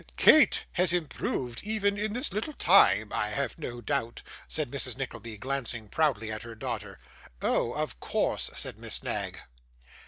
'Kate has improved even in this little time, I have no doubt,' said Mrs Nickleby, glancing proudly at her daughter. 'Oh! of course,' said Miss Knag.